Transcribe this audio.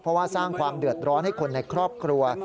เพราะว่าสร้างความเดือดร้อนให้คนในครอบครัว